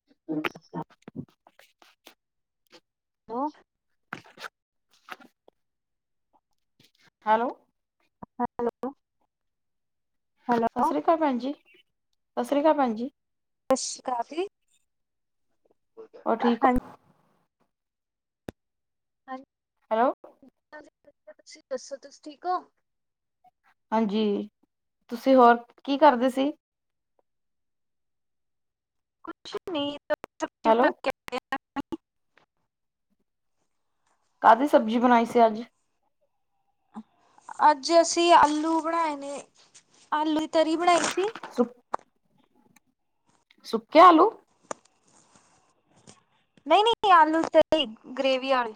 [unintelligible] [inaudible] ਉਹ, hello, hello ਸਤਿ ਸ਼੍ਰੀ ਅਕਾਲ ਭੈਣ ਜੀ, ਸਤਿ ਸ਼੍ਰੀ ਅਕਾਲ ਭੈਣ ਜੀ, ਸਤਿ ਸ਼੍ਰੀ ਅਕਾਲ ਜੀ। ਹੋਰ ਠੀਕ ਓ? ਜੀ, [inaudible] ਹੈਲੋ, ਤੁਸੀਂ ਦੱਸੋ ਤੁਸੀਂ ਠੀਕ ਹੋ? ਹਾਂਜੀ, ਤੁਸੀਂ ਹੋਰ ਕੀ ਕਰਦੇ ਸੀ। ਕੁਛ ਨੀ ਹੈਲੋ [unintelligible] ਕਾਹਦੀ ਸਬਜ਼ੀ ਬਣਾਈ ਸੀ ਅੱਜ? ਅੱਜ ਅਸੀਂ ਆਲੂ ਬਣਾਏ ਨੇ, ਆਲੂ ਦੀ ਤਰੀ ਬਣਾਈ ਸੀ। ਸੁ ਸੁੱਕੇ ਆਲੂ, ਨਹੀਂ, ਨਹੀਂ, ਆਲੂ ਤੇਹੀ ਗ੍ਰੇਵੀ ਵਾਲੇ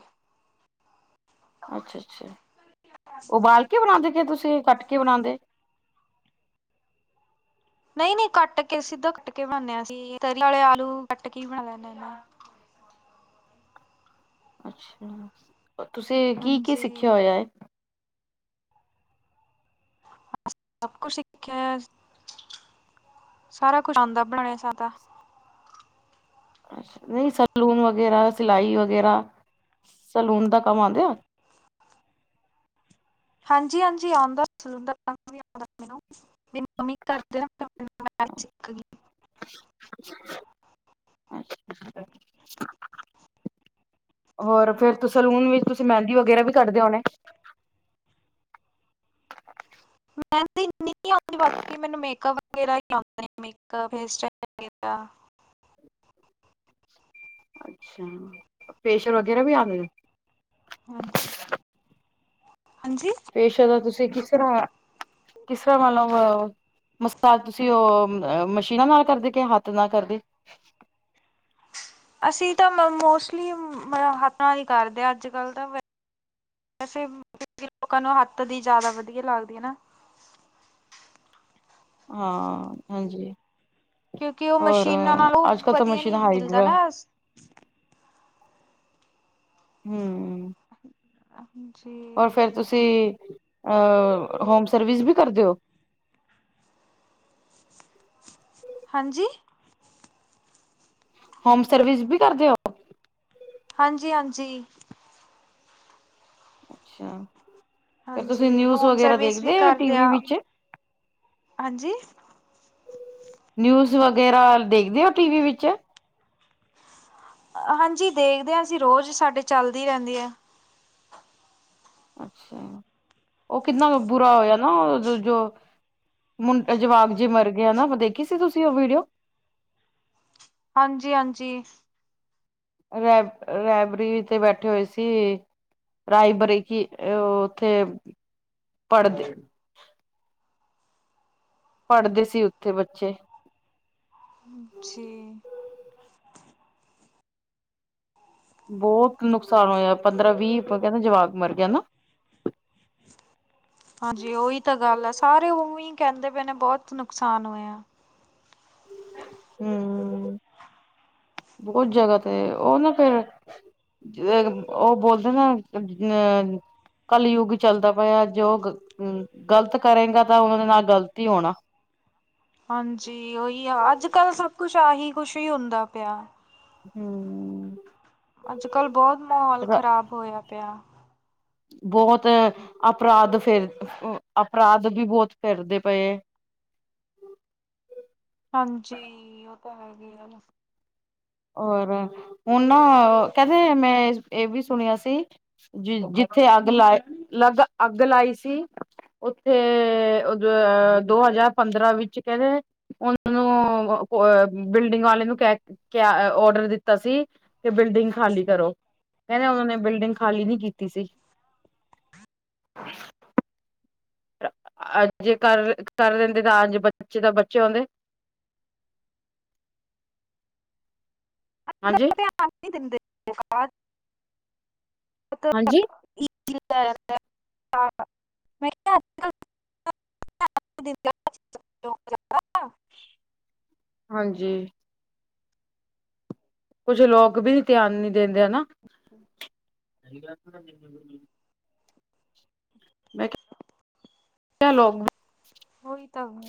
ਅੱਛਾ-ਅੱਛਾ, ਉਬਾਲ ਕੇ ਬਣਾਉਂਦੇ ਕੇ ਤੁਸੀਂ ਕੱਟ ਕੇ ਬਣਾਉਂਦੇ, ਨਹੀਂ, ਨਹੀਂ, ਕੱਟ ਕੇ ਸਿੱਧਾ ਕੱਟ ਕੇ ਬਣਾਦੇ ਆਲੂ ਕੱਟ ਕੇ ਬਣਾ ਲੈਂਦੇ, ਅੱਛਾ, ਤੁਸੀਂ ਕੀ ਕੀ ਹਾਂਜੀ ਸਿੱਖਿਆ ਹੋਇਆ ਹੈ? ਸਭ ਕੁਛ ਸਿੱਖਿਆ ਹੋਇਆ, ਸਾਰਾ ਕੁਛ ਆਉਂਦਾ ਬਣਾਣਾਦਾ, ਨਈ ਸੈਲੂਨ ਵਗੈਰਾ ਸਿਲਾਈ ਵਗੈਰਾ, ਸੈਲੂਨ ਦਾ ਕੰਮ ਆਂਦੇ ਆ? ਹਾਂਜੀ, ਹਾਂਜੀ ਆਂਦਾ [unintelligible] ਸਿਲੰਡਰ ਵੀ ਆਉਂਦਾ ਮੈਨੂੰ ਮੇਰੀ ਮੰਮੀ ਕਰਦੇੈਂ ਸਿੱਖਈ [unintelligible] [inaudible] [inaudible] ਹੋਰ ਫੇਰ ਤ ਸਲੂਨ ਵਿੱਚ, ਤੁਸੀਂ ਮੈੰਦੀ ਵਗੇਰਾ ਵੀ ਕੱਡਦੇ ਹੋਨੇ? [inaudible] [inaudible] ਅੱਛਾ, ਫੇਸੀ਼ਅਲ ਵਗੈਰਾ ਵੀ ਆਂਦੇ? ਹਾਂਜੀ, ਹਾਂਜੀ ਫੇਸਾ਼ ਦਾ ਤੁਸੀਂ ਕਿਸਰਾਂ, ਕਿਸਰਾ ਮਲਬ ਮਸਾਜ ਤੁਸੀ ਓ, ਮ ਮਸ਼ੀਨਾਂ ਨਾਲ ਕਰਦੇ ਕੇ ਹਾੱਥ ਨਾਲ ਕਰਦੇ? ਅਸੀਂ ਤਾਂ ਮ ਮੋਸਲੀ ਮ, ਹੱਥਾਂ ਨਾਲ਼ ਈ ਕਾਰਦੇ ਆ ਆੱਜ-ਕਾੱਲ ਤਾਂ ਵੈਸੇ ਵੀ ਲੋਕਾਂ ਨੂੰ ਹਾੱਥ ਦੀ ਜਾਦਾ ਵਦੀਆ ਲੱਗਦੀ ਆ ਨਾ ਹਾਂ, ਹਾਂਜੀ। ਕਿਉਂਕਿ ਉਹ ਓਰ, ਮਸ਼ੀਨਾਂ ਨਾਲ ਉਹ ਆੱਜ-ਕੱਲ ਤਾਂ ਵਧੀਆ ਨੀ ਮਸ਼ੀਨਾ ਮਿਲਦਾ ਹਾਈਡਰਾ ਨਾ ਜੀ। ਹੂੰ। ਹਾਂਂਜੀ। ਓਰ ਫੇਰ ਤੁਸੀ, ਅ ਹੋਮ ਸਰਵਿਸ ਵੀ ਕਰਦੇ ਓ? ਹਾਂਜੀ ਹਮ ਸਰਵਿਸ ਵੀ ਕਰਦੇ ਓ? ਹਾਂਜੀ-ਹਾਂਜੀ। ਅੱਛਾ। ਫਿਰ ਤੁਸੀਂ ਹਾਂਜੀ ਨਿਊਜ਼ ਹੋਮ ਵਗੈਰਾ ਸਰਵਿਸ ਵੀ ਦੇਖਦੇ ਹੋ ਕਾਰਦੇ ਟੀਵੀ ਆ, ਵਿੱਚ ਹਾਂਜੀ ਨਿਊਜ਼ ਵਗੈਰਾ, ਦੇਖਦੇ ਓ ਟੀਵੀ ਵਿੱਚ? ਹਾਂਜੀ, ਦੇਖਦੇ ਆ ਅਸੀਂ ਰੋਜ ਸਾਡੇ ਚਾਲਦੀ ਰੈਂਦੀ ਆ। ਅੱਛਾ, ਓ ਕਿੱਨਾ ਬ ਬੁਰਾ ਹੋਏਆ ਨਾ ਓ ਓ ਜੋ਼ ਮੁੰਡ, ਜਵਾਕ ਜੇ ਮਰਗੇ ਹਨਾ ਓ ਦੇਖੀ ਸੀ ਤੁਸੀ ਓ ਵੀੜੀਓ? ਹਾਂਜੀ-ਹਾਂਜੀ। ਰੈਬ, ਰੈਬਰੀ ਤੇ ਬੈਠੇ ਹੋਏ ਸੀ ਰਾਏਬਰੀਕੀ, ਅ ਓ ਓਥੇ ਪੜਦੇ ਪੜਦੇ ਸੀ ਉੱਥੇ ਬੱਚੇ ਜੀ ਬੋਤ ਨੁਕਸਾਨ ਹੋਏਆ ਪੰਦਰਾਂ-ਵੀਹ, ਪਤਾਨੀ ਕੈਂਦੇ ਜਵਾਕ ਮਰ ਗੇ ਨਾ? ਹਾਂਜੀ, ਓਈ ਤਾਂ ਗਾੱਲ ਆ ਸਾਰੇ ਓਵੀਂ ਕੈਂਦੇ ਪਏ ਨੇ ਬੋਤ ਨੁਕਸਾਨ ਹੋਯਾ। ਹੂੰ, ਬੋਤ ਜਗਾ ਤੇ ਓ ਨਾ ਫੇਰ ਜ ਅ, ਓ ਬੋਲਦੇ ਨਾ ਅ ਕੱਲਯੁੱਗ ਚੱਲਦਾ ਪਯਾ ਜੋ ਗ ਗ਼ਲਤ ਕਰੇਂਗਾ ਤਾਂ ਓਨਾਂ ਦੇ ਨਾਲ ਗ਼ਲਤ ਈ ਹੋਣਾ ਹਾਂਜੀ, ਉਈ ਆ ਆੱਜ-ਕਾੱਲ ਸਬ ਕੁਛ ਆਹੀ ਕੁਸ਼ ਈ ਹੁੰਦਾ ਪੇਆ। ਹੂੰ। ਆੱਜ-ਕਾੱਲ ਬਹੋਤ ਮਹੌਲ ਖ਼ਰਾਬ ਹੋਏਆ ਪੇਆ। ਬਹੋਤ, ਅਪਰਾਦ ਫੇਰ ਅਪਰਾਦ ਵੀ ਬੋਤ ਫੇਰਦੇ ਪਏ। ਹਾਂਜੀ, ਓ ਤਾਂ ਹੈਗੇ ਆ ਹੋਰ, ਹੋਨ ਨਾ ਕੈਂਦੇ ਮੈਂ ਅ ਏ ਵੀ ਸੁਣੇਯਾ ਸੀ ਜੀ ਜਿੱਥੇ ਆੱਗ ਲਾ, ਲਗ ਆੱਗ ਲਾਈ ਸੀ ਓਥੇ, ਦ ਦੋ ਹਜਾਰ ਪੰਦਰਾਂ ਵਿੱਚ ਕੈਂਦੇ ਓਨਾਂ ਨੂੰ ਅ, ਵ ਬਿਲਡਿੰਗ ਵਾਲੇ ਨੂੰ ਕੈਕ ਕੇਯਾ ਅ ਔਡਰ ਦਿੱਤਾ ਸੀ, ਕੀ ਬਿਲਡਿੰਗ ਖਾਲੀ ਕਰੋ। ਕੈਂਦੇ ਓਨਾਂ ਨੇ ਬਿਲਡਿੰਗ ਖਾਲੀ ਨੀ ਕੀਤੀ ਸੀ। ਆ, ਕਰ-ਕਰ ਲੈਂਦੇ ਤਾਂ ਆੱਜ ਬੱਚੇ ਤਾਂ ਬਚੇ ਹੋਂਦੇ। ਹਾਂਜੀ [inaudible] ਹਾਂਜੀ [inaudible] [inaudible] [inaudible] ਹਾਂਜੀ ਕੁਝ ਲੋਕ ਵੀ ਧਿਆਨ ਨੀ ਦਿੰਦੇ ਹੈਨਾ ਹੈਲੋ ਹੋਈ ਤਾਂ ਹੋ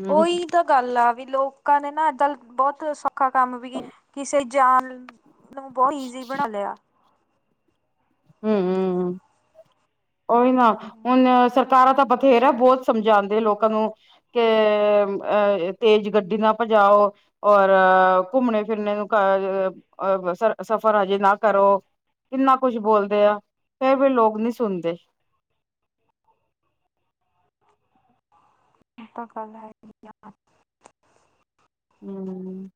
ਹੂੰ, ਉਹੀ ਤਾਂ ਗੱਲ ਆ ਵੀ ਲੋਕਾਂ ਨੇ ਨਾ, ਚੱਲ ਬਹੁਤ ਸੌਖਾ ਕੰਮ ਵੀ ਏ, ਕਿਸੇ ਜਾਣ ਬਹੁਤ ਈਜ਼ੀ ਬਣਾ ਲਿਆ ਹੂ ਉਹੀ ਨਾ ਹੁਣ ਸਰਕਾਰਾਂ ਤਾਂ ਬਥੇਰਾ ਬਹੁਤ ਸਮਝਾਉਂਦੇ ਲੋਕਾਂ ਨੂੰ ਕੇ ਅ, ਤੇਜ਼ ਗੱਡੀ ਨਾ ਭਜਾਓ ਔਰ ਘੁੰਮਣੇ ਫਿਰਨੇ ਨੂੰ, ਘ ਸਫ਼ਰ ਹਜੇ ਨਾ ਕਰੋ ਕਿੰਨਾ ਕੁਛ ਬੋਲਦੇ ਆ, ਫੇਰ ਵੀ ਲੋਕ ਨਹੀਂ ਸੁਣਦੇ ਤਾਂ ਗੱਲ ਹੈਗੀ ਹੂ,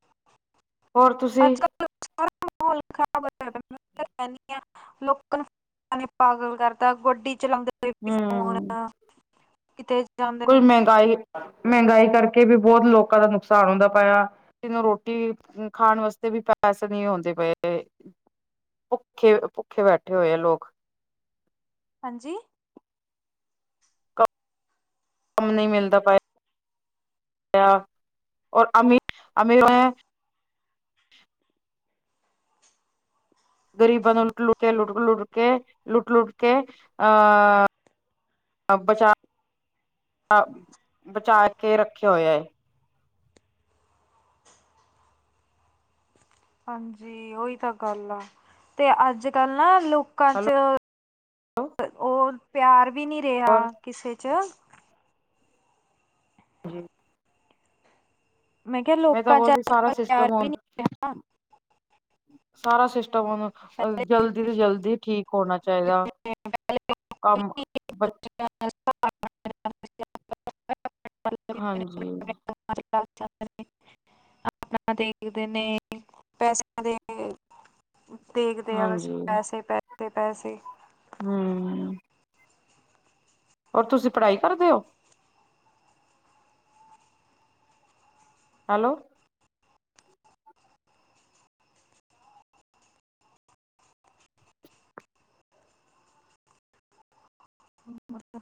ਹੋਰ ਤੁਸੀਂ ਅੱਛਾ, ਮਾਹੌਲ ਖਰਾਬ ਕਹਦੀ ਆ ਲੋਕਾਂ ਨੂੰ ਪਾਗਲ ਕਰਤਾ, ਗੱਡੀ ਚਲਾਉਂਦੇ ਹੋਏ ਫੋਨ ਹੂੰ ਕਿਤੇ ਜਾ ਕੋਈ ਮਹਿੰਗਾਈ, ਮਹਿੰਗਾਈ ਕਰਕੇ ਵੀ ਬਹੁਤ ਲੋਕਾਂ ਦਾ ਨੁਕਸਾਨ ਹੁੰਦਾ ਪਾਇਆ ਕਿਨੂੰ ਰੋਟੀ ਖਾਣ ਵਾਸਤੇ ਵੀ ਪੈਸੇ ਨਹੀਂ ਆਉਂਦੇ ਪਏ ਭੁੱਖੇ -ਭੁੱਖੇ ਬੈਠੇ ਹੋਏ ਆ ਲੋਕ ਹਾਂਜੀ ਕੰਮ ਨਹੀਂ ਮਿਲਦਾ ਪਇਆ, ਔਰ ਅਮੀ ਅਮੀਰ ਗ਼ਰੀਬਾਂ ਨੂੰ ਲੁੱਟ -ਲੁੱਟ ਕੇ, ਲੁੱਟ -ਲੁੱਟ ਕੇ ਲੁੱਟ- ਲੁੱਟ ਕੇ, ਅਹ ਅ ਬਚਾ- ਬਚਾ ਕੇ ਰੱਖਿਆ ਹੋਇਆ ਹੈ ਹਾਂਜੀ ਉਓਹੀ ਤਾਂ ਗੱਲ ਆ, ਤੇ ਅੱਜ ਕੱਲ ਨਾ ਲੋਕਾਂ ਚ ਹੈਲੋ ਉਹ ਪਿਆਰ ਵੀ ਨੀ ਔਰ ਰਿਹਾ, ਕਿਸੇ 'ਚ। ਜੀ। ਕਿਹਾ ਮੈਂ ਤਾਂ ਲੋਕਾਂ 'ਚ ਬੋਲਦੀ, ਅੱਜ ਸਾਰਾ ਕੱਲ ਪਿਆਰ ਸਿਸਟਮ ਵੀ ਹੁਣ ਨਹੀਂ ਰਿਹਾ ਸਾਰਾ ਸਿਸਟਮ ਹੁਣ ਪਹਿਲੇ ਜਲਦੀ ਤੋਂ ਜਲਦੀ, ਠੀਕ ਹੋਣਾ ਚਾਈਦਾ। ਜਿਵੇਂ ਪਹਿਲੇ ਲੋਕ ਵੀ ਕੰਮ ਇੱਕ ਬ ਦੂਜੇ ਨਾਲ ਸਹਾਰਾ ਬਣਾਉਂਦੇ ਸੀ, ਆਪਣਾ- ਮਤਲਬ ਆਪਣੇ- ਹਾਂਜੀ। ਆਪਣੇ ਆਪਣੇ ਕੰਮਾਂ ਅਜ ਕਲ ਸਾਰੇ ਆਪਣਾ ਦੇਖਦੇ ਨੇ, ਪੈਸਾ ਦੇ ਦੇਖਦੇ ਆ ਬਸ ਹਾਂਜੀ ਪੈਸੇ-ਪੈਸੇ-ਪੈਸੇ। ਹੂ ਹੋਰ ਤੁਸੀਂ ਪੜ੍ਹਾਈ ਕਰਦੇ ਹੋ ਹੈਲੋ ਬਸ